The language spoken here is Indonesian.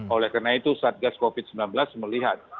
oleh karena itu satgas covid sembilan belas melihat